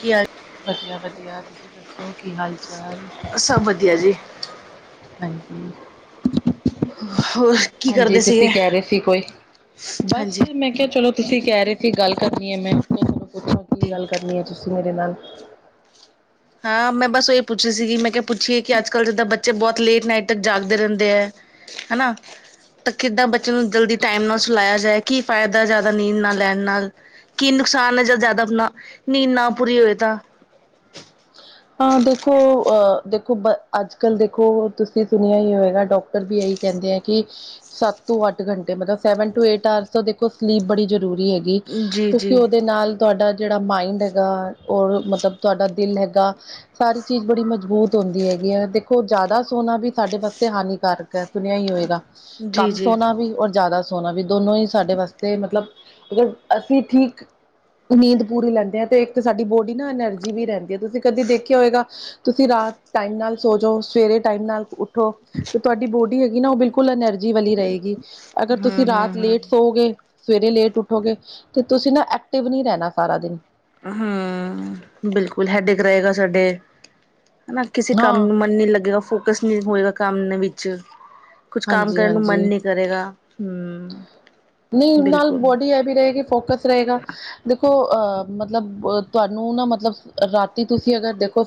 ਕੀ ਆ। ਵਧੀਆ-ਵਧੀਆ, ਤੁਸੀਂ ਦੱਸੋ ਕੀ ਹਾਲ-ਚਾਲ? ਸਭ ਵਧੀਆ ਜੀ, ਹਾਂਜੀ, ਹੋਰ ਕੀ ਹਾਂਜੀ ਕਰਦੇ ਤੁਸੀਂ ਸੀਗੇ ਕਹਿ ਰਹੇ ਸੀ, ਕੋਈ ਬਸ ਹਾਂਜੀ ਮੈਂ ਕਿਹਾ ਚਲੋ। ਤੁਸੀਂ ਕਹਿ ਰਹੇ ਸੀ, ਗੱਲ ਕਰਨੀ ਹੈ ਮੈਂ ਆਪੋਂ ਪੁੱਛਣਾ ਕੀ ਜੀ ਗੱਲ ਕਰਨੀ ਹੈ, ਤੁਸੀਂ ਮੇਰੇ ਨਾਲ ਹਾਂ ਮੈਂ ਬਸ ਉਹੀ ਪੁੱਛ ਰਹੀ ਸੀਗੀ, ਮੈਂ ਕਿਹਾ ਪੁੱਛੀਏ, ਕਿ ਅੱਜ ਕੱਲ੍ਹ ਜਿੱਦਾਂ ਬੱਚੇ ਬਹੁਤ ਲੇਟ ਨਾਈਟ ਤੱਕ ਜਾਗਦੇ ਰਹਿੰਦੇ ਹੈ। ਹੈਨਾ, ਤਾਂ ਕਿੱਦਾਂ ਬੱਚੇ ਨੂੰ ਜਲਦੀ ਟੈਮ ਨਾਲ ਸੁਲਾਇਆ ਜਾਏ, ਕੀ ਫਾਇਦਾ ਜ਼ਿਆਦਾ ਨੀਂਦ ਨਾ ਲੈਣ ਨਾਲ ਕੀ ਨੁਕਸਾਨ ਹੈ, ਜਦ ਜ਼ਿਆਦਾ ਨੀਂਦ ਨਾ ਪੂਰੀ ਹੋਏ ਤਾਂ, ਹਾਂ ਦੇਖੋ ਅਹ ਦੇਖੋ ਅੱਜ-ਕੱਲ੍ਹ ਦੇਖੋ, ਤੁਸੀਂ ਸੁਣਿਆ ਹੀ ਹੋਏਗਾ, ਡਾਕਟਰ ਵੀ ਇਹੀ ਕਹਿੰਦੇ ਆ ਕਿ ਸੱਤ ਤੋਂ ਅੱਠ ਘੰਟੇ ਮਤਲਬ ਸੈਵਨ ਟੂ ਏਟ ਆਰਸ ਤੋਂ ਦੇਖੋ, ਸਲੀਪ ਬੜੀ ਜ਼ਰੂਰੀ ਹੈਗੀ। ਜੀ ਕਿਉਂਕਿ ਜੀ ਉਹਦੇ ਨਾਲ ਤੁਹਾਡਾ ਜਿਹੜਾ ਮਾਈੰਡ ਹੈਗਾ, ਔਰ ਮਤਲਬ ਤੁਹਾਡਾ ਦਿਲ ਹੈਗਾ। ਸਾਰੀ ਚੀਜ਼ ਬੜੀ ਮਜ਼ਬੂਤ ਹੁੰਦੀ ਹੈਗੀ ਹੈ ਦੇਖੋ ਜ਼ਿਆਦਾ ਸੋਣਾ ਵੀ ਸਾਡੇ ਵਾਸਤੇ ਹਾਨੀਕਾਰਕ। ਸੁਣਿਆ ਹੀ ਹੋਏਗਾ ਜੀ ਕੰਮ ਜੀ ਸੋਣਾ ਵੀ ਔਰ ਜ਼ਿਆਦਾ ਸੋਣਾ ਵੀ। ਸੋਣਾ ਵੀ ਦੋਨੋ ਹੀ ਸਾਡੇ ਵਾਸਤੇ ਮਤਲਬ ਅਗਰ ਅਸੀਂ ਠੀਕ। ਉਹ ਨੀਂਦ ਪੂਰੀ ਲੈਂਦੇ ਆ ਤੇ ਇੱਕ ਤਾਂ ਸਾਡੀ ਬੋਡੀ ਨਾ ਐਨਰਜੀ ਵੀ ਰਹਿੰਦੀ ਹੈ ਤੁਸੀਂ ਕਦੇ ਦੇਖਿਆ ਹੋਏਗਾ। ਤੁਸੀਂ ਰਾਤ ਟਾਈਮ ਨਾਲ ਸੋ ਜਾਓ। ਸਵੇਰੇ ਟਾਈਮ ਨਾਲ ਉੱਠੋ ਤੇ ਤੁਹਾਡੀ ਬੋਡੀ ਹੈਗੀ ਨਾ ਉਹ ਬਿਲਕੁਲ। ਫੁਲ ਐਨਰਜੀ ਵਾਲੀ ਰਹੇਗੀ ਅਗਰ ਤੁਸੀਂ ਹਮ ਰਾਤ ਹਮ ਹਮ ਲੇਟ। ਸੋ ਗਏ ਸਵੇਰੇ ਲੇਟ ਉੱਠੋਗੇ ਤੇ ਤੁਸੀਂ ਨਾ ਐਕਟਿਵ ਨਹੀਂ ਰਹਿਣਾ ਸਾਰਾ ਦਿਨ। ਹਮ ਬਿਲਕੁਲ ਹੈਡੇਕ ਰਏਗਾ ਸਾਡੇ। ਹਨਾ ਕਿਸੇ ਕੰਮ ਹਾਂ ਨੂੰ ਮਨ ਨੀ ਲੱਗੇਗਾ ਫੋਕਸ ਨਹੀਂ ਹੋਏਗਾ ਕੰਮ ਵਿੱਚ। ਕੁਛ ਕੰਮ ਹਾਂਜੀ ਕਰਨ ਨੂੰ ਹਾਂਜੀ ਮਨ ਨਹੀਂ ਕਰੇਗਾ ਹਮ ਬਿਲਕੁਲ। ਫਿਰ ਇਹ ਕੀ ਫੋਕਸ ਰਹੇਗਾ। ਦੇਖੋ ਅਹ ਮਤਲਬ ਤੁਹਾਨੂੰ ਨਾ ਮਤਲਬ ਰਾਤੀ ਤੁਸੀਂ ਅਗਰ ਦੇਖੋ।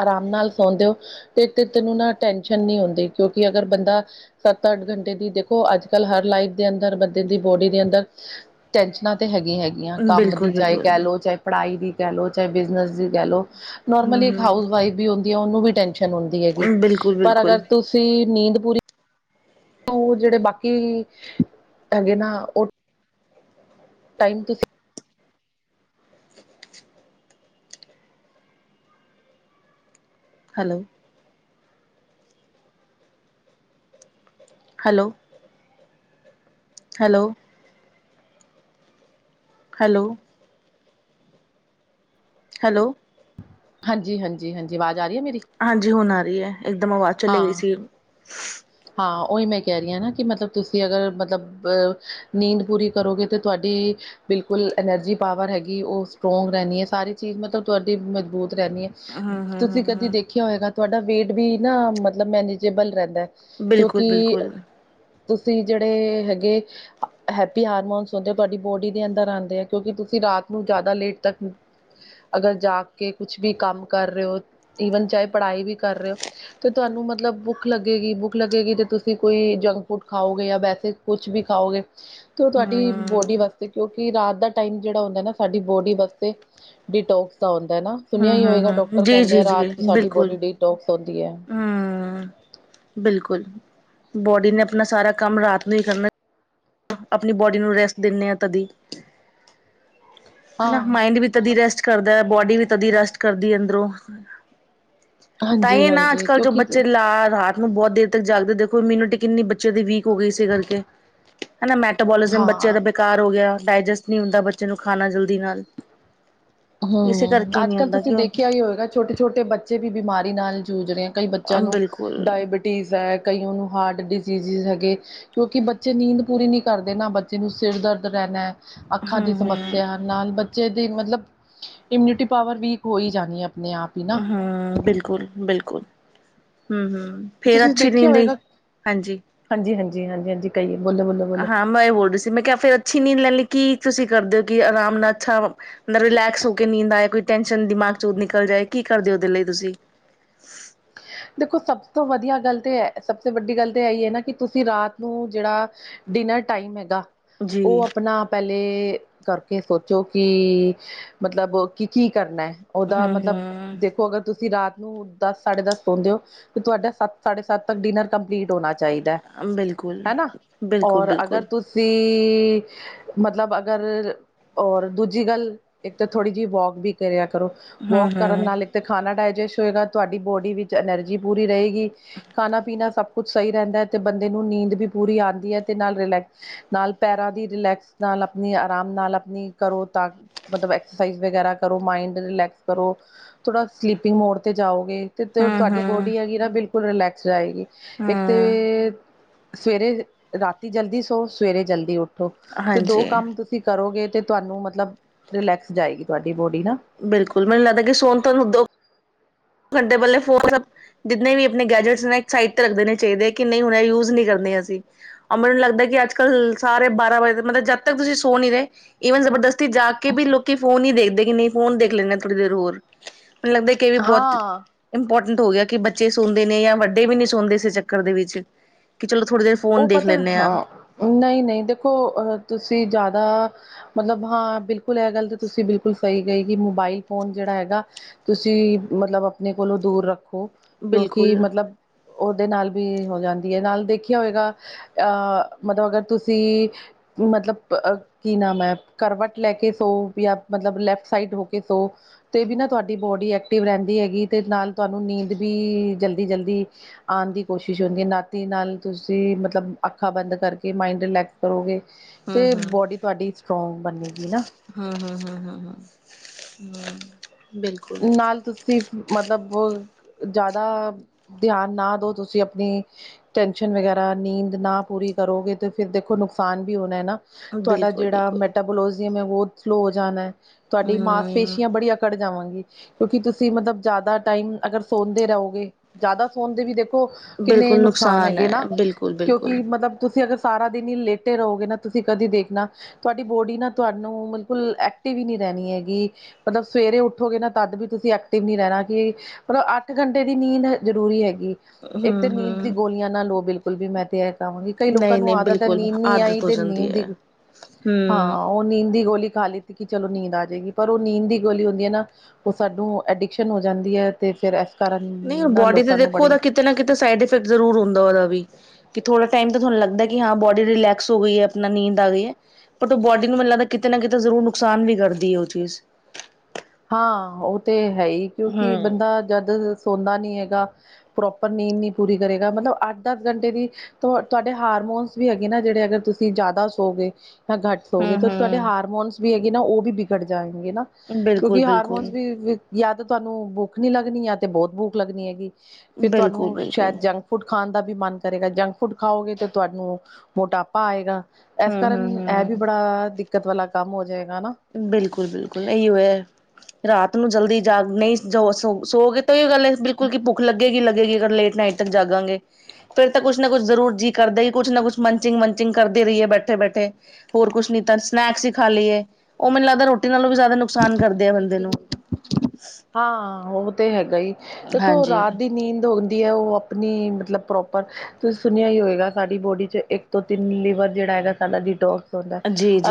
ਆਰਾਮ ਨਾਲ ਸੌਂਦੇ ਹੋ ਤੇ ਤੇ ਤੈਨੂੰ ਨਾ ਟੈਸ਼ਨ ਨਹੀਂ ਹੁੰਦੀ ਕਿਉਂਕਿ ਅਗਰ ਬੰਦਾ। ਸੱਤ ਅੱਠ ਘੰਟੇ ਦੀ ਦੇਖੋ। ਅੱਜ ਕੱਲ ਹਰ ਲਾਈਫ ਦੇ ਅੰਦਰ ਬੰਦੇ ਦੀ ਬੋਡੀ ਦੇ ਅੰਦਰ। ਟੈਨਸ਼ਨਾਂ ਤੇ ਹੈਗੀਆਂ ਹੈਗੀਆਂ ਕੰਮ ਬਿਲਕੁਲ ਦੀ ਚਾਹੇ ਬਿਲਕੁਲ ਕਹਿ ਲਓ ਚਾਹੇ। ਪੜ੍ਹਾਈ ਦੀ ਕਹਿ ਲਓ। ਚਾਹੇ ਬਿਜਨਸ ਦੀ ਕਹਿ ਲਓ। ਨੋਰਮਲੀ ਇੱਕ ਹਮ ਹਾਊਸ ਵਾਈਫ ਵੀ ਹੁੰਦੀ ਹੈ ਉਹਨੂੰ ਵੀ ਟੈਂਨਸ਼ਨ। ਟੈਂਨਸ਼ਨ ਹੁੰਦੀ ਹੈਗੀ ਹਮ ਬਿਲਕੁਲ ਪਰ ਅਗਰ ਬਿਲਕੁਲ ਤੁਸੀਂ ਨੀਂਦ ਪੂਰੀ ਉਹ ਜਿਹੜੇ ਬਾਕੀ ਹੈਗੇ ਨਾ ਉਹ। ਟਾਈਮ ਤੁਸੀਂ। Hello hello hello hello. Hello. ਹਾਂਜੀ, ਹਾਂਜੀ, ਹਾਂਜੀ ਆਵਾਜ਼ ਆ ਰਹੀ ਹੈ ਮੇਰੀ? ਹਾਂਜੀ ਹੁਣ ਆ ਰਹੀ ਹੈ ਇਕਦਮ ਆਵਾਜ਼ ਚਲੇ ਗਈ ਹਾਂ, ਸੀ। ਹਾਂ ਉਹੀ ਮੈਂ ਕਹਿ ਰਹੀ ਹਾਂ ਨਾ ਕਿ ਮਤਲਬ ਤੁਸੀਂ ਅਗਰ ਮਤਲਬ ਅ ਨੀਂਦ ਪੂਰੀ ਕਰੋਗੇ ਤਾਂ ਤੁਹਾਡੀ। ਬਿਲਕੁਲ ਐਨਰਜੀ ਪਾਵਰ ਹੈਗੀ ਉਹ ਸਟਰੋਂਗ ਰਹਿਣੀ ਹੈ, ਸਾਰੀ ਚੀਜ਼ ਮਤਲਬ ਤੁਹਾਡੀ ਮਜ਼ਬੂਤ ਰਹਿਣੀ ਹੈ। ਹਮ ਹਮ ਤੁਸੀਂ ਕਦੀ ਹਮ ਦੇਖਿਆ ਹੋਏਗਾ ਤੁਹਾਡਾ ਵੇਟ ਵੀ ਨਾ ਮਤਲਬ ਮੈਨੇਜੇਬਲ ਰਹਿੰਦਾ। ਬਿਲਕੁਲ ਕਿਉਂਕਿ ਬਿਲਕੁਲ ਤੁਸੀਂ ਜਿਹੜੇ ਹੈਗੇ। ਹੈਪੀ ਹਾਰਮੋਨਸ ਹੁੰਦੇ ਤੁਹਾਡੀ ਬੋਡੀ ਦੇ ਅੰਦਰ ਆੰਦੇ ਕਿਉਂਕਿ ਤੁਸੀਂ ਰਾਤ ਨੂੰ ਜ਼ਿਆਦਾ ਲੇਟ ਤੱਕ। ਅਗਰ ਜਾਗ ਕੇ ਕੁਛ ਵੀ ਕੰਮ ਕਰ ਰਹੇ ਹੋ ਈਵਨ ਚਾਹੇ ਪੜ੍ਹਾਈ ਵੀ ਕਰ ਰਹੇ ਹੋ। ਤੇ ਤੁਹਾਨੂੰ ਮਤਲਬ ਭੁੱਖ ਲੱਗੇਗੀ ਭੁੱਖ। ਭੁੱਖ ਲੱਗੇਗੀ ਜੇ ਤੁਸੀਂ ਕੋਈ ਜੰਕ ਫੂਡ ਖਾਓਗੇ, ਜਾਂ ਵੈਸੇ ਕੁਛ ਵੀ ਖਾਓਗੇ ਤੇ ਉਹ ਤੁਹਾਡੀ। ਹਮ ਬੋਡੀ ਵਾਸਤੇ ਕਿਉਂਕਿ ਰਾਤ ਦਾ ਟਾਇਮ ਜਿਹੜਾ ਹੁੰਦਾ ਨਾ ਸਾਡੀ ਬੋਡੀ ਵਾਸਤੇ ਡਿਟੋਕਸ ਦਾ ਹੁੰਦਾ ਨਾ। ਹਮ ਸੁਣਿਆ ਹੀ ਹਮ ਹੋਏਗਾ, ਹਮ ਡਾਕਟਰ ਜੀ ਕਹਿੰਦੇ ਜੀ ਆ ਰਾਤ ਜੀ ਨੂੰ ਸਾਡੀ ਬਿਲਕੁਲ ਬੋਡੀ ਡੀਟੋਕਸ ਹੁੰਦੀ ਹੈ। ਹਮ, ਬਿਲਕੁਲ ਬੋਡੀ ਨੇ ਆਪਣਾ ਸਾਰਾ ਕੰਮ ਰਾਤ ਨੂੰ ਹੀ ਕਰਨਾ। ਆਪਣੀ ਬੋਡੀ ਨੂੰ ਰੈਸਟ ਦਿੰਦੇ ਹਾਂ ਕਦੀ। ਹਨਾ ਹਾਂ ਮਾਇੰਡ ਵੀ ਤਦੀ ਰੈਸਟ ਕਰਦਾ ਹੈ ਬੋਡੀ ਵੀ ਤਦੀ ਰੈਸਟ ਕਰਦੀ ਅੰਦਰੋਂ। ਹਾਂਜੀ ਤਾਂਈ ਨਾ ਅੱਜ ਹਾਂਜੀ ਕੱਲ੍ਹ ਜੋ ਕਿਉਂਕਿ ਬੱਚੇ ਲਾ ਰਾਤ। ਉਹ ਬਹੁਤ ਦੇਰ ਤੱਕ ਜਾਗਦੇ ਦੇਖੋ ਇਮਿਊਨਿਟੀ ਕਿੰਨੀ ਬੱਚਿਆਂ ਦੀ ਵੀਕ ਹੋ ਗਈ ਇਸੇ ਕਰਕੇ। ਹੈਨਾ ਮੈਟਾਪੋਲਿਜ਼ਮ ਬੱਚੇ ਹਾਂ ਦਾ ਬੇਕਾਰ ਹੋ ਗਿਆ, ਡਾਇਜੈਸਟ ਨਹੀਂ ਹੁੰਦਾ ਬੱਚੇ ਨੂੰ ਖਾਣਾ ਜਲਦੀ ਨਾਲ। ਇਸੇ ਹੂੰ, ਕਰਕੇ ਅੱਜ ਨਹੀਂ -ਕੱਲ੍ਹ ਹੁੰਦਾ ਤੁਸੀਂ ਕਿ ਉਹ ਦੇਖਿਆ ਹੀ ਹੋਏਗਾ ਛੋਟੇ- ਛੋਟੇ ਬੱਚੇ ਵੀ ਬਿਮਾਰੀ ਨਾਲ ਜੂਝ ਰਹੇ ਆ। ਕਈ ਬੱਚਿਆਂ ਨੂੰ ਬਿਲਕੁਲ ਡਾਇਬਿਟੀਜ਼ ਹੈ, ਕਈਆ ਨੂੰ ਹਾਰਟ ਡਿਜ਼ਜ਼ਿਸ ਹੈਗੇ। ਕਿਉਂਕਿ ਬੱਚੇ ਨੀਂਦ ਪੂਰੀ ਨਹੀਂ ਕਰਦੇ ਨਾ ਬੱਚੇ ਨੂੰ ਸਿਰ ਦਰਦ ਰਹਿਣਾ। ਅੱਖਾਂ ਦੀ ਹਮ ਸਮੱਸਿਆ ਹਮ ਨਾਲ ਬੱਚੇ ਦੀ ਮਤਲਬ। ਇਮਿਊਨਿਟੀ ਪਾਵਰ ਵੀਕ ਹੋ ਹੀ ਜਾਣੀ ਹੈ ਆਪਣੇ ਆਪ। ਹੀ ਨਾ ਹੂੰ, ਬਿਲਕੁਲ, ਬਿਲਕੁਲ ਹੂੰ, ਹੂੰ। ਫੇਰ ਅੱਛੀ ਨੀੰਦ ਲਈ, ਹਾਂਜੀ। ਹਾਂਜੀ, ਹਾਂਜੀ, ਹਾਂਜੀ, ਹਾਂਜੀ ਕਹੀਏ ਬੋਲੋ, ਬੋਲੋ, ਬੋਲੋ। ਹਾਂ ਮੈਂ ਇਹ ਬੋਲ ਰਹੀ ਸੀ, ਮੈਂ ਕਿਹਾ ਫਿਰ ਅੱਛੀ ਨੀਂਦ ਲੈੈਲੀ ਕੀ ਤੁਸੀਂ ਕਰਦੇ ਹੋ, ਕਿ ਆਰਾਮ ਨਾਲ ਅੱਛਾ ਨਾ, ਰਿਲੈਕਸ ਹੋ ਕੇ ਨੀਂਦ ਆਏ, ਕੋਈ ਟੈਨਸ਼ਨ ਦਿਮਾਗ ਚੌੰ ਨਿਕਲ ਜਾਏ, ਕੀ ਕਰਦੇ ਹੋ ਉਹਦੇ ਲਈ ਤੁਸੀਂ। ਦੇਖੋ ਸਭ ਤੋਂ ਵਧੀਆ ਗੱਲ ਤੇ ਇਹ, ਸਭ ਸੇ ਵੱਡੀ ਗੱਲ ਤੇ ਇਹੀ ਹੈ ਨਾ, ਕਿ ਤੁਸੀਂ ਰਾਤ ਨੂੰ ਜਿਹੜਾ ਡਿਨਰ ਟਾਈਮ ਹੈਗਾ। ਜੀ ਉਹ ਆਪਣਾ ਪਹਿਲੇ, ਕਰਕੇ ਸੋਚੋ ਕਿ, ਮਤਲਬ ਕੀ-ਕੀ ਕਰਨਾ ਹੈ। ਉਹਦਾ ਹਮ ਮਤਲਬ, ਦੇਖੋ, ਅਗਰ ਤੁਸੀਂ ਰਾਤ ਨੂੰ ਦਸ ਸਾਢੇ ਦਸ ਸੋਦੇ ਹੋ, ਤੇ ਤੁਹਾਡਾ ਸੱਤ ਸਾਢੇ ਸੱਤ ਤੱਕ, ਡਿੰਨਰ ਕੰਪਲੀਟ ਹੋਣਾ ਚਾਹੀਦਾ। ਹਮ ਬਿਲਕੁਲ ਹਨਾ, ਬਿਲਕੁਲ ਔਰ ਬਿਲਕੁਲ ਅਗਰ ਤੁਸੀਂ ਮਤਲਬ ਅਗਰ, ਔਰ ਦੂਜੀ ਗੱਲ ਇੱਕ ਤਾਂ ਥੋੜੀ ਜਿਹੀ ਵੋਕ ਵੀ ਕਰਿਆ ਕਰੋ। ਹਮ ਵੋਕ ਕਰਨ ਹਮ ਨਾਲ ਇੱਕ ਤੇ ਖਾਣਾ ਡਾਇਜੈਸਟ ਹੋਏਗਾ, ਤੁਹਾਡੀ ਬੋਡੀ ਵਿੱਚ ਐਨਰਜੀ ਪੂਰੀ ਰਹੇਗੀ। ਖਾਣਾ ਪੀਣਾ ਸਭ ਕੁਛ ਸਹੀ ਰਹਿੰਦਾ ਹੈ, ਤੇ ਬੰਦੇ ਨੂੰ ਨੀਂਦ ਵੀ ਪੂਰੀ ਆਉਂਦੀ ਹੈ ਤੇ ਨਾਲ ਰਿਲੈਕਸ ਨਾਲ ਪੈਰਾਂ ਦੀ ਰਿਲੈਕਸ, ਨਾਲ ਆਪਣੀ ਆਰਾਮ ਨਾਲ ਆਪਣੀ ਕਰੋ ਤਾਂ ਮਤਲਬ, ਐਕਸਰਸਾਈਜ਼ ਵਗੈਰਾ ਕਰੋ, ਮਾਇੰਡ ਰਿਲੈਕਸ ਕਰੋ, ਥੋੜਾ ਸਲੀਪਿੰਗ ਮੋਡ ਤੇ ਜਾਓਗੇ ਤੇ ਤੇ ਉ ਹਮ ਤੁਹਾਡੀ ਹਮ ਬੋਡੀ ਹੈਗੀ ਨਾ, ਬਿਲਕੁਲ ਰਿਲੈਕਸ ਆਏਗੀ। ਇੱਕ ਤੇ ਹਮ ਸਵੇਰੇ, ਰਾਤੀ ਜਲਦੀ ਸੋ, ਸਵੇਰੇ ਜਲਦੀ ਉਠੋ, ਤੇ ਦੋ ਹਾਂਜੀ ਕੰਮ ਤੁਸੀਂ ਤੁਸੀਂ ਕਰੋਗੇ ਤੇ, ਤੁਹਾਨੂੰ ਮਤਲਬ, ਰਿਲੈਕਸ ਜਾਏਗੀ ਤੁਹਾਡੀ ਬੋਡੀ ਨਾ। ਬਿਲਕੁਲ, ਮੈਨੂੰ ਲੱਗਦਾ ਕਿ ਸੋਨ ਤੁਹਾਨੂੰ ਦਊ। ਤੁਹਾਡੇ ਬੱਲੇ ਫੋਰ [inaudible] ਜਿੰਨੇ ਵੀ ਆਪਣੇ ਗੈਜਟਸ ਨੇ, ਇਕ ਸਾਈਟ ਤੇ ਰੱਖ ਦੇਨੇ ਚਾਹੀਦੇ, ਕਿ ਨਹੀਂ ਹੁਣ ਯੂਜ ਨਹੀਂ ਕਰਨੇ ਅਸੀਂ। ਮੈਨੂੰ ਲੱਗਦਾ ਕਿ ਅੱਜ ਕੱਲ੍ਹ ਸਾਰੇ ਬਾਰਾਂ ਵਜੇ, ਮਤਲਬ ਜਦ ਤੱਕ ਤੁਸੀਂ ਸੋ ਨੀ ਰਹੇ ਈਵਨ, ਜਬਰਦਸਤੀ ਜਾਗ ਕੇ ਵੀ ਲੋਕੀ ਫੋਨ ਹੀ ਦੇਖਦੇ, ਕਿ ਨਹੀਂ ਫੋਨ ਦੇਖ ਲੈਂਨੇ ਥੋੜੀ ਦੇਰ ਹੋਰ। ਮੈਨੂੰ ਲੱਗਦਾ ਇਹ ਵੀ ਬਹੁਤ ਹਾਂ ਇੰਪੋਟੈਂਟ ਹੋ ਗਿਆ, ਕਿ ਬੱਚੇ ਸੁਣਦੇ ਨੇ ਜਾਂ ਵੱਡੇ ਵੀ ਨਹੀਂ ਸੁਣਦੇ, ਇਸੇ ਚੱਕਰ ਦੇ ਵਿੱਚ ਕਿ ਚਲੋ, ਥੋੜੀ ਦੇਰ ਫੋਨ ਦੇਖ ਲੈਂਨੈ ਆ। ਨਈ-ਨਈ ਦੇਖੋ, ਅ ਤੁਸੀਂ ਜ਼ਿਆਦਾ, ਮਤਲਬ ਹਾਂ ਬਿਲ ਭੁਲਿਆ ਗੱਲ ਤੇ, ਤੁਸੀਂ ਬਿਲਕੁਲ ਕਹੀ ਗਈ ਕਿ ਮੋਬਾਈਲ ਫੋਨ ਜਿਹੜਾ ਹੈਗਾ, ਤੁਸੀਂ ਮਤਲਬ, ਆਪਣੇ ਕੋਲੋਂ ਦੂਰ ਰੱਖੋ। ਕਿਉਂਕਿ ਬਿਲਕੁਲ ਮਤਲਬ, ਉਹਦੇ ਨਾਲ ਵੀ ਹੋ ਜਾਂਦੀ ਹੈ, ਨਾਲ ਦੇਖੀ ਹੋਏਗਾ, ਅ ਮਤਲਬ ਅਗਰ ਤੁਸੀਂ, ਮਤਲਬ ਅ ਕੀ ਨਾਮ ਹੈ, ਕਰਵਟ ਲੈ ਕੇ ਸੋ ਜਾਂ ਮਤਲਬ, ਲੈਫਟ ਸਾਈਡ ਹੋ ਕੇ ਸੋ। ਤੇ ਵੀ ਨਾ, ਤੁਹਾਡੀ ਬੋਡੀ ਐਕਟਿਵ ਰਹਿੰਦੀ ਹੈਗੀ, ਤੇ ਨਾਲ ਤੁਹਾਨੂੰ ਨੀਂਦ ਵੀ ਜਲਦੀ-ਜਲਦੀ ਆਣ ਦੀ ਕੋਸ਼ਿਸ਼ ਹੁੰਦੀ ਹੈ, ਨਾਤੀ ਨਾਲ ਤੁਸੀਂ ਮਤਲਬ, ਅੱਖਾਂ ਬੰਦ ਕਰਕੇ ਮਾਇੰਡ ਰਿਲੈਕਸ ਕਰੋਗੇ, ਹਮ ਤੇ ਬੋਡੀ ਤੁਹਾਡੀ ਸਟਰੋਂਗ ਬਨੇਗੀ ਨਾ? ਹਾਂ ਹਾਂ ਹਾਂ ਹਾਂ ਹਾਂ ਮ। ਨਾਲ ਤੁਸ ਤੇ ਮਤਲਬ, ਜ਼ਿਆਦਾ ਧਿਆਨ ਨਾ ਦੋ ਤੁਸੀਂ, ਆਪਣੀ ਟੈਂਸ਼ਨ ਵਗੈਰਾ, ਨੀਂਦ ਨਾ ਪੂਰੀ ਕਰੋਗੇ ਤੇ ਫਿਰ ਦੇਖੋ, ਨੁਕਸਾਨ ਵੀ ਹੋਣਾ ਨਾ। ਤੁਹਾਡਾ ਬਿਲਕੁਲ ਜਿਹੜਾ ਬਿਲਕੁਲ ਮੈਟਾਬੋਲੋਜ਼ੀਅਮ ਆ, ਵੋ ਸਲੋ ਹੋ ਜਾਣਾ ਹੈ ਤੁਹਾਡੀ ਮਾਸ ਹਮ ਪੇਸ਼ੀਆਂ, ਬੜੀਆਂ ਕੱਢ ਜਾਵਾਂਗੀ। ਕਿਉਂਕਿ ਤੁਸੀਂ ਮਤਲਬ, ਜ਼ਿਆਦਾ ਟਾਈਮ ਅਗਰ ਸੋਦੇ ਰਹੋਗੇ, ਜਿਆਦਾ ਸੋਣ ਦੇ ਵੀ ਦੇਖੋ ਕਿੰਨੇ ਬਿਲਕੁਲ ਨੁਕਸਾਨ ਹੈਗੇ ਹੈ ਨਾ, ਬਿਲਕੁਲ ਬਿਲਕੁਲ ਕਿਉਂਕਿ ਮਤਲਬ, ਤੁਸੀਂ ਅਗਰ ਸਾਰਾ ਦਿਨ ਈ ਲੇਟੇ ਰਹੋਗੇ ਨਾ, ਤੁਸੀਂ ਕਦੇ ਦੇਖਣਾ ਤੁਹਾਡੀ ਬੋਡੀ ਨਾ, ਤੁਹਾਨੂੰ ਬਿਲਕੁਲ ਐਕਟਿਵ ਈ ਨਹੀਂ ਰਹਿਣੀ ਹੈਗੀ। ਮਤਲਬ, ਸਵੇਰੇ ਉੱਠੋਗੇ ਨਾ ਤਦ ਵੀ ਤੁਸੀਂ ਐਕਟਿਵ ਨਹੀਂ ਰਹਿਣਾ, ਕੀ ਮਤਲਬ, ਅੱਠ ਘੰਟੇ ਦੀ ਨੀਂਦ ਜ਼ਰੂਰੀ ਹੈਗੀ। ਇੱਕ ਤੇ ਨੀਂਦ ਦੀ ਹਮ-ਹਮ ਗੋਲੀਆਂ ਨਾ ਲਓ ਬਿਲਕੁਲ ਵੀ, ਮੈਂ ਤੇ ਇਹ ਕਈ ਲੋਕਾਂ ਨਹੀਂ ਨਹੀਂ ਨੂੰ ਆਦਤ ਹੈ, ਬਿਲਕੁਲ ਨੀਂਦ ਨੀ ਆਈ ਆਦਤ ਹੋ ਤੇ ਜਾਂਦੀ ਨੀਂਦ ਦੀ ਹੈ ਹਮ ਹਾਂ, ਉਹ ਨੀਂਦ ਦੀ ਗੋਲੀ ਖਾ ਲਿੱਤੀ ਕਿ ਚਲੋ, ਨੀਂਦ ਆ ਜਾਏਗੀ। ਪਰ ਉਹ ਨੀਂਦ ਦੀ ਗੋਲੀ ਹੁੰਦੀ ਹੈ ਨਾ ਉਹ, ਸਾਨੂੰ ਐਡਿਕਸ਼ਨ ਹੋ ਜਾਂਦੀ ਹੈ ਅਤੇ ਫਿਰ, ਇਸ ਕਾਰਨ ਨਹੀਂ ਨਾ ਬੋਡੀ ਤੇ ਲੋਕਾਂ ਨੂੰ ਦੇਖੋ ਬੜੇ ਉਹਦਾ ਕਿਤੇ ਨਾ ਕਿਤੇ, ਸਾਈਡਇਫੈਕਟ ਜ਼ਰੂਰ ਹੁੰਦਾ ਉਹਦਾ ਵੀ। ਕਿ ਥੋੜਾ ਟਾਇਮ ਤਾਂ ਤੁਹਾਨੂੰ ਲੱਗਦਾ ਕਿ ਹਾਂ, ਬੋਡੀ ਰਿਲੈਕਸ ਹੋ ਗਈ ਹੈ। ਆਪਣਾ ਨੀਂਦ ਆ ਗਈ ਹੈ। ਪਰ ਉਹ ਬੋਡੀ ਨੂੰ ਲੱਗਦਾ ਕਿਤੇ ਨਾ ਕਿਤੇ ਜ਼ਰੂਰ ਨੁਕਸਾਨ ਵੀ ਕਰਦੀ ਹੈ ਉਹ ਚੀਜ਼ ਹਾਂ ਉਹ ਤੇ ਹੈ ਹੀ ਕਿਉਂਕਿ ਬੰਦਾ ਜਦ ਤੱਕ ਸੌਦਾ ਨਹੀਂ ਹੈਗਾ ਪ੍ਰੋਪਰ ਨੀਂਦ ਨਹੀਂ ਪੂਰੀ ਕਰੇਗਾ ਮਤਲਬ ਅੱਧ ਅੱਧ ਘੰਟੇ ਦੀ ਤੁਹਾਡੇ ਹਾਰਮੋਨਸ ਵੀ ਹੈਗੇ ਨਾ ਜਿਹੜੇ ਅਗਰ ਤੁਸੀਂ ਜ਼ਿਆਦਾ ਸੋ ਗੇ ਘੱਟ ਸੋ ਗਏ ਤੁਹਾਡੇ ਹਮ-ਹਮ-ਹਮ ਹਾਰਮੋਨਸ ਵੀ ਹੈਗੇ ਨਾ ਉਹ ਵੀ ਵਿਗੜ ਜਾਣਗੇ ਨਾ ਕਿਉਂਕਿ ਹਾਰਮੋਨਸ ਬਿਲਕੁਲ-ਬਿਲਕੁਲ ਵੀ ਯਾਦ ਤੁਹਾਨੂੰ ਭੁੱਖ ਨੀ ਲੱਗਣੀ ਹੈ ਤੇ ਯਾਦ ਬਹੁਤ ਭੁੱਖ ਲੱਗਣੀ ਹੈਗੀ ਫਿਰ ਤੁਹਾਨੂੰ ਬਿਲਕੁਲ-ਬਿਲਕੁਲ ਸ਼ਾਇਦ ਜੰਗ ਫੂਡ ਖਾਣ ਦਾ ਵੀ ਮਨ ਕਰੇਗਾ ਜੰਕ ਫੂਡ ਖਾਓਗੇ ਤੇ ਤੁਹਾਨੂੰ ਮੋਟਾਪਾ ਆਏਗਾ ਇਸ ਕਾਰਨ ਇਹ ਵੀ ਹਮ-ਹਮ-ਹਮ ਬੜਾ ਦਿੱਕਤ ਵਾਲਾ ਕੰਮ ਹੋ ਜਾਏਗਾ ਬਿਲਕੁਲ ਬਿਲਕੁਲ ਇਹੀਓ ਹੈ। ਰਾਤ ਨੂੰ ਜਲਦੀ ਜਾ ਨਹੀਂ ਜੋ ਸੋ ਸੋ ਗੇ ਸਹੀ ਗੱਲ ਹੈ ਬਿਲਕੁਲ ਕੀ ਭੁੱਖ ਲੱਗੇਗੀ ਲੱਗੇਗੀ ਅਗਰ ਲੇਟ ਨਾਈਟ ਤੱਕ ਜਾਗਾਂਗੇ ਫਿਰ ਤਾਂ ਕੁਛ ਨਾ ਕੁਛ ਜ਼ਰੂਰ ਜੀਅ ਕਰਦਾ ਹੀ ਕੁਛ ਨਾ ਕੁਛ ਮੰਚਿੰਗ ਮੰਚਿੰਗ ਕਰਦੇ ਰਹੀ ਹੈ ਬੈਠੇ ਬੈਠੇ ਹੋਰ ਕੁਛ ਨ ਤਾਂ ਸਨੈਕਸ ਹੀ ਖਾ ਲਈਏ ਉਹ ਮੈਨੂੰ ਲੱਗਦਾ ਰੋਟੀ ਨਾਲੋਂ ਵੀ ਜ਼ਿਆਦਾ ਨੁਕਸਾਨ ਕਰਦੇ ਆ ਬੰਦੇ ਨੂੰ ਹਾਂ ਉਹ ਤੇ ਹੈਗਾ ਦੇਖੋ ਹਾਂਜੀ। ਰਾਤ ਦੀ ਨੀਂਦ ਹੋ ਹੈ ਉਹ ਆਪਣੀ ਮਤਲਬ ਪ੍ਰੋਪਰ ਸੁਣਿਆ ਹੀ ਹੋਵੇਗਾ ਸਾਡੀ ਬੋਡੀ 'ਚ ਇੱਕ ਤੋਂ ਤਿੰਨ ਲੀਵਰ ਜਿਹੜਾ ਹੈਗਾ ਸਾਡਾ ਡਿਟੋਕਸ ਦਾ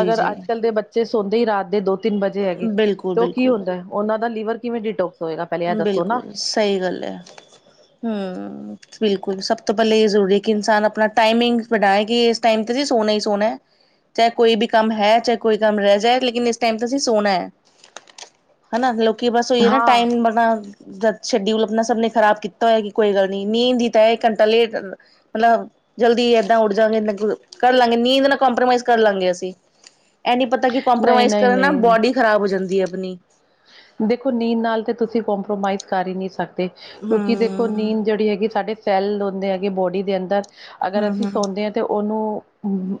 ਅਗਰ ਬਿਲਕੁਲ-ਬਿਲਕੁਲ, ਅੱਜ ਕੱਲ ਦੇ ਬੱਚੇ ਸੌਦੇ ਹੀ ਰਾਤ ਦੇ ਦੋ ਤਿੰਨ ਵਜੇ ਹੈਗੇ ਤੇ ਉਹ ਕੀ ਬਿਲਕੁਲ ਹੁੰਦਾ ਉਹ ਦਾ ਲੀਵਰ ਕਿਵੇਂ ਡਿਟੋਕਸ ਹੋਏਗਾ ਪਹਿਲੇ ਇਹ ਦੱਸੋ ਨਾ ਬਿਲਕੁਲ ਸਹੀ ਗੱਲ ਹੈ। ਹੂ ਬਿਲਕੁਲ ਸਭ ਤੋਂ ਪਹਿਲਾਂ ਇਹ ਜ਼ਰੂਰੀ ਹੈ ਕਿ ਇਨਸਾਨ ਆਪਣਾ ਟਮਿੰਗ ਬਣਾਏ ਕਿ ਇਸ ਟਮ ਤੇ ਸੋਨਾ ਹੀ ਸੋਨਾ ਹੈ। ਚਾਹੇ ਕੋਈ ਵੀ ਕੰਮ ਹੈ ਚਾਹੇ ਕੋਈ ਕੰਮ ਰਹਿ ਜਾਏ ਲੇਕਿਨ ਇਸ ਟਾਈਮ ਤਾਂ ਅਸੀਂ ਸੋਹਣਾ ਹੈ। [inaudible] ਹਨਾ ਲੋਕੀ ਬਸ ਹੋਈ ਨਾ ਹਾਂ ਟਾਈਮ ਆਪਣਾ ਜਦ ਸ਼ਡਿਊਲ ਆਪਣਾ ਸਭ ਨੇ ਖ਼ਰਾਬ ਕੀਤਾ ਹੋਇਆ ਕਿ ਕੋਈ ਗੱਲ ਨੀ ਨੀਂਦ ਦੀ ਤਾਂ ਇੱਕ ਘੰਟਾ ਲੇਟ ਪਲੱਬ ਜਲਦੀ ਏਦਾਂ ਉੱਡ ਜਾਂਗੇ ਕਰ ਲਵਾਂਗੇ ਨੀਂਦ ਨਾਲ ਕੰਪਰੋਮਾਈਜ਼ ਕਰ ਲਾਂਗੇ ਅਸੀਂ ਇਹ ਨ ਪਤਾ ਕਿ ਨਹੀਂ ਕੰਪਰੋਮਾਈਜ਼ ਨਹੀਂ ਕਰਨ ਨਾ ਨਹੀਂ ਬੋਡੀ ਖ਼ਰਾਬ ਹੋ ਜਾਂਦੀ ਹੈ ਆਪਣੀ ਦੇਖੋ ਨੀਂਦ ਨਾਲ ਤਾਂ ਤੁਸੀਂ ਕੰਪਰੋਮਾਈਜ਼ ਕਰ ਹੀ ਨਹੀਂ ਸਕਦੇ ਕਿਉਂਕਿ ਦੇਖੋ ਹਮ ਨੀਂਦ ਜਿਹੜੀ ਹੈਗੀ ਸਾਡੇ ਸੈਲ ਹੁੰਦੇ ਹੈਗੇ ਬੋਡੀ ਦੇ ਅੰਦਰ ਅਗਰ ਹਮ ਅਸੀਂ ਹਮ ਸੌਦੇ ਹਾਂ ਤੇ ਉਹਨੂੰ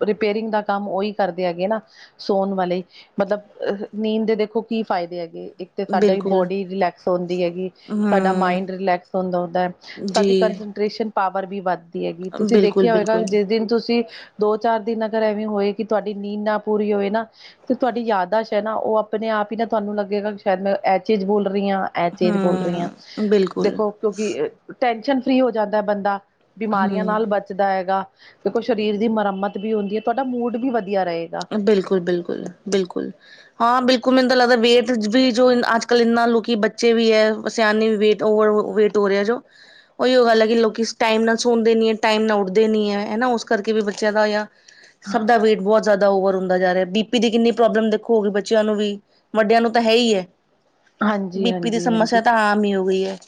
ਰਿਪੇਅਰਿੰਗ ਦਾ ਕੰਮ ਉਹੀ ਕਰਦੇ ਹੈਗੇ ਨਾ ਸੋਣ ਵਾਲੇ ਮਤਲਬ ਨੀਂਦ ਦੇ ਦੇਖੋ ਕੀ ਫਾਇਦੇ ਹੈਗੇ ਇੱਕ ਤੇ ਸਾਡਾ ਬਿਲਕੁਲ ਬੋਡੀ ਰਿਲੈਕਸ ਹੁੰਦੀ ਹੈਗੀ ਸਾਡਾ ਹਮ ਮਾਇੰਡ ਰਿਲੈਕਸ ਹੁੰਦਾ ਹੁੰਦਾ ਸਾਡੀ ਜੀ ਕੰਸਟ੍ਰੇਸ਼ਨ ਪਾਵਰ ਵੀ ਵੱਧਦੀ ਹੈਗੀ ਤੁਸੀਂ ਦੇਖਿਆ ਹੋਏਗਾ ਬਿਲਕੁਲ-ਬਿਲਕੁਲ ਜਿਸ ਦਿਨ ਤੁਸੀਂ ਦੋ ਚਾਰ ਦਿਨ ਅਗਰ ਐਵੇਂ ਹੋਏ ਕਿ ਤੁਹਾਡੀ ਨੀਂਦ ਨਾ ਪੂਰੀ ਹੋਵੇ ਨਾ ਤੇ ਤੁਹਾਡੀ ਯਾਦਸ਼ ਹੈ ਨਾ ਉਹ ਆਪਣੇ ਆਪ ਹੀ ਨਾ ਤੁਹਾਨੂੰ ਲੱਗੇਗਾ ਸ਼ਾਇਦ ਮੈਂ ਐ ਚੇਜ਼ ਬੋਲ ਰਹੀ ਹਾਂ ਇਹ ਚੀਜ਼ ਹੂੰ ਬੋਲ ਰਹੀ ਹਾਂ ਬਿਲਕੁਲ ਦੇਖੋ ਕਿਉਂਕਿ ਟੈਂਸ਼ਨ ਫਰੀ ਹੋ ਜਾਂਦਾ ਬੰਦਾ ਹੂੰ ਬਿਮਾਰੀਆਂ ਨਾਲ ਬਚਦਾ ਹੈਗਾ ਦੇਖੋ ਸਰੀਰ ਦੀ ਮੁਰੰਮਤ ਵੀ ਹੁੰਦੀ ਹੈ ਤੁਹਾਡਾ ਮੂਡ ਵੀ ਵਧੀਆ ਰਹੇਗਾ ਬਿਲਕੁਲ ਬਿਲਕੁਲ ਬਿਲਕੁਲ ਹਾਂ ਬਿਲਕੁਲ ਮੈਨੂੰ ਲੱਗਦਾ ਵੇਟ ਵੀ ਜੋ ਅੱਜ ਕੱਲ ਇੰਨਾ ਲੋਕੀ ਬੱਚੇ ਵੀ ਹੈ ਸਿਆਣੇ ਵੀ ਵੇਟ ਉਵਰ ਵੇਟ ਹੋਰਿਆ ਜੋ ਉਹੀ ਗੱਲ ਲੋਕੀ ਟਾਈਮ ਨਾਲ ਸੁਣਦੇ ਨਹੀਂ ਹੈ ਟਾਈਮ ਨਾਲ ਉੱਠਦੇ ਨਹੀਂ ਹੈ ਉਸ ਕਰਕੇ ਵੀ ਬੱਚਿਆਂ ਦਾ ਸਭ ਦਾ ਵੇਟ ਬਹੁਤ ਜ਼ਿਆਦਾ ਓਵਰ ਹੁੰਦਾ ਜਾ ਰਿਹਾ ਬੀਪੀ ਦੀ ਕਿੰਨੀ ਪ੍ਰੋਬਲਮ ਦੇਖੋਗੀ ਬੱਚਿਆਂ ਨੂੰ ਵੀ ਵੱਡਿਆਂ ਨੂੰ ਤਾਂ ਹੈ ਹੀ ਹੈ। ਹਾਂਜੀ ਬੀਪੀ ਦੀ ਹਾਂਜੀ ਸਮੱਸਿਆ ਹਾਂਜੀ ਤਾਂ ਆਮ ਹੀ ਹੋ ਗਈ ਹੈ।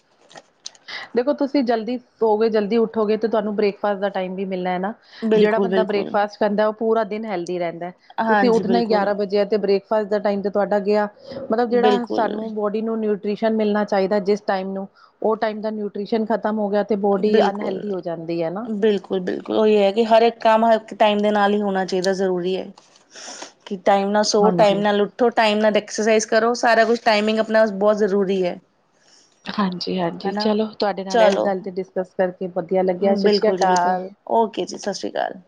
ਦੇਖੋ ਤੁਸੀਂ ਜਲਦੀ ਸੋ ਕੇ ਜਲਦੀ ਉੱਠੋਗੇ ਤੇ ਤੁਹਾਨੂੰ ਬ੍ਰੇਕਫਾਸਟ ਦਾ ਟਾਈਮ ਵੀ ਮਿਲਣਾ ਹੈ ਨਾ ਜਿਹੜਾ ਬੰਦਾ ਬਿਲਕੁਲ-ਬਿਲਕੁਲ ਬ੍ਰੇਕਫਾਸਟ ਕਰਦਾ ਉਹ ਪੂਰਾ ਦਿਨ ਹੈਲਦੀ ਰਹਿੰਦਾ ਤੁਸੀਂ ਹਾਂਜੀ ਉੱਠਣਾ ਹੀ ਗਿਆਰਾਂ ਵਜੇ ਤੇ ਬ੍ਰਕ ਬ੍ਰੇਕਫਾਸਟ ਦਾ ਟਾਈਮ ਤੇ ਤੁਹਾਡਾ ਗਿਆ ਮਤਲਬ ਜਿਹੜਾ ਬਿਲਕੁਲ-ਬਿਲਕੁਲ ਸਾਨੂੰ ਬਹੁਤ ਇਹਨੂੰ ਨਿਊਟ੍ਰਸ਼ਨ ਮਿਲਣਾ ਚਾਹੀਦਾ ਜਿਸ ਟਾਇਮ ਨੂੰ ਉਹ ਟਾਈਮ ਦਾ ਨਿਊਟ੍ਰਿਸ਼ਨ ਖਤਮ ਹੋ ਗਿਆ। ਅਤੇ ਬੋਡੀ ਬਿਲਕੁਲ ਅਨਹੈਲਦੀ ਹੋ ਜਾਂਦੀ ਹੈ ਨਾ। ਬਿਲਕੁਲ ਬਿਲਕੁਲ ਉਹੀ ਹੈ ਕਿ ਹਰ ਇੱਕ ਕੰਮ ਹਰ ਟਾਈਮ ਦੇ ਨਾਲ ਹੀ ਹੋਣਾ ਚਾਹੀਦਾ ਜ਼ਰੂਰੀ ਹੈ। ਕਿ ਟਾਈਮ ਨਾਲ ਸੋ ਟਾਈਮ ਹਾਂਜੀ ਨਾਲ ਉੱਠੋ ਟਾਈਮ ਨਾਲ ਐਕਸਰਸਾਈਜ਼ ਕਰੋ। ਸਾਰਾ ਕੁਛ ਟਾਈਮਿੰਗ ਆਪਣਾ ਬਹੁਤ ਜ਼ਰੂਰੀ ਹੈ। ਹਾਂਜੀ ਹਾਂਜੀ ਹਨਾ ਚਲੋ ਤੁਹਾਡੇ ਨਾਲ ਇਸ ਚਲੋ ਗੱਲ ਤੇ ਡਿਸਕਸ ਕਰਕੇ ਵਧੀਆ ਲੱਗਿਆ। ਸਤਿ ਸ਼੍ਰੀ ਬਿਲਕੁਲ ਜੀ ਬਿਲਕੁਲ ਅਕਾਲ ਓਕੇ ਜੀ, ਸਤਿ ਸ਼੍ਰੀ ਅਕਾਲ।